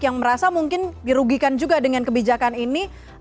yang merasa mungkin dirugikan juga dengan kebijakan ini